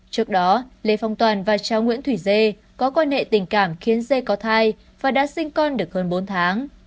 trước đó lê phong toàn và cháu nguyễn thủy dê có quan hệ tình cảm khiến dê có thai và đã sinh con được hơn bốn tháng